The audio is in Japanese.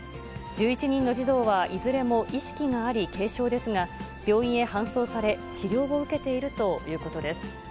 １１人の児童はいずれも意識があり、軽症ですが、病院へ搬送され、治療を受けているということです。